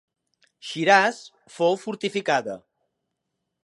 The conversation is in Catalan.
Shiraz fou fortificada.